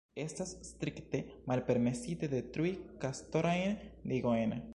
Estas strikte malpermesite detrui kastorajn digojn.